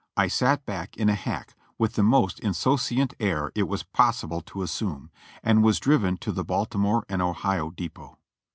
I sat back in a hack with the most insouciant air it was possible to assume, and was driven to the Baltimore and Ohio Depot.